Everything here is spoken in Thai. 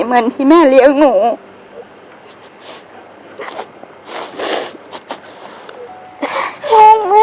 เหมือนที่แม่เลี้ยงหนู